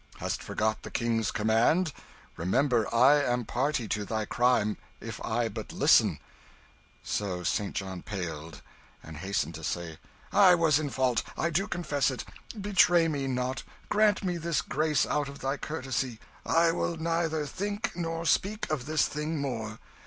Hast forgot the King's command? Remember I am party to thy crime if I but listen." St. John paled, and hastened to say "I was in fault, I do confess it. Betray me not, grant me this grace out of thy courtesy, and I will neither think nor speak of this thing more.